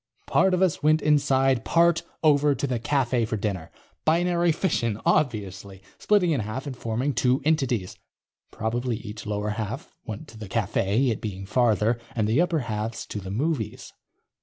Part of us went inside, part over to the cafe for dinner._ Binary fission, obviously. Splitting in half and forming two entities. Probably each lower half went to the cafe, it being farther, and the upper halves to the movies.